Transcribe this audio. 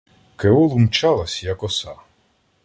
К Еолу мчалась, як оса.